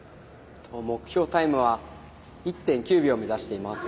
目標タイムは１．９秒目指しています。